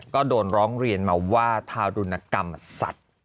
ก็โดนร้องเรียนมาว่าทารุณกรรมสัตว์